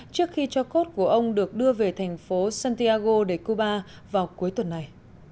trước khi cho cốt của ông được đưa về thành phố santiago để cuba vào cuối tuần này